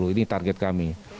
ini target kami